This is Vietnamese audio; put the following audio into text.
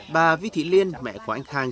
bà vy thị liên mẹ của anh khang